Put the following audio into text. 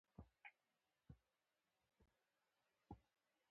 دښتې به ګلزار شي؟